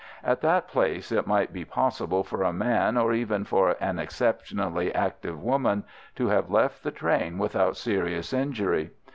At that place it might be possible for a man, or even for an exceptionally active woman, to have left the train without serious injury.